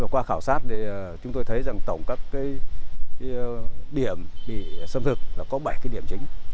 qua khảo sát thì chúng tôi thấy rằng tổng các điểm xâm thực có bảy điểm chính